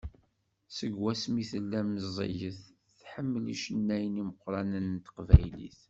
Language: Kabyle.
Seg wasmi tella meẓẓiyet, tḥemmel icennayen imeqqranen n teqbaylit.